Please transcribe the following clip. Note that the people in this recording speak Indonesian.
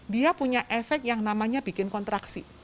dia punya efek yang namanya bikin kontraksi